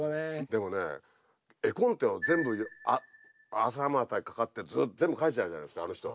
でもね絵コンテを全部朝までかかって全部描いちゃうじゃないですかあの人。